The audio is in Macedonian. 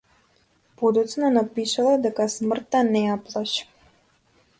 Подоцна напишала дека смртта не ја плаши.